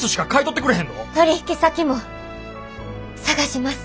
取引先も探します！